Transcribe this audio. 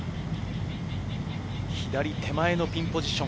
左手前のピンポジション。